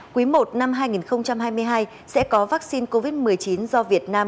quý i năm hai nghìn hai mươi hai sẽ có vaccine covid một mươi chín do việt nam